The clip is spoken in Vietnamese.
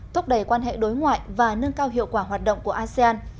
thúc đẩy quan hệ đối ngoại và nâng cao hiệu quả hoạt động của asean